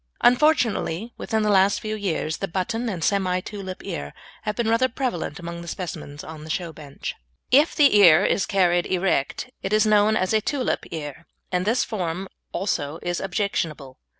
Unfortunately, within the last few years the "button" and "semi tulip" ear have been rather prevalent amongst the specimens on the show bench. If the ear is carried erect it is known as a "tulip" ear, and this form also is objectionable.